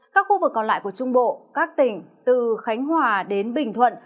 các khu vực còn lại của trung bộ các tỉnh từ khánh hòa đến bình thuận